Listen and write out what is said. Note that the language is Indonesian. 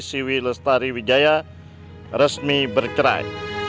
siwi lestari wijaya resmi bercerai